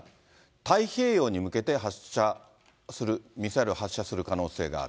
太平洋に向けて発射する、ミサイルを発射する可能性がある。